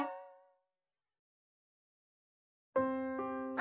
「あ！」